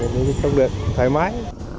mình không được thoải mái